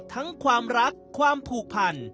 ทั้งความรักความผูกพัน